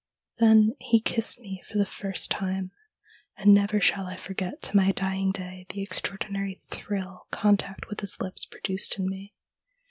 Then he kissed me for the first time, and never shall I forget to my dying day the extraordinary thrill contact with his lips produced in me.